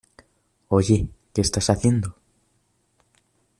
¿ Oye, qué está haciendo?